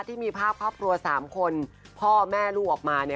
ที่มีภาพครอบครัว๓คนพ่อแม่ลูกออกมา